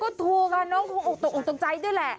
ก็ทูลค่ะน้องอุ่นตกใจด้วยแหละ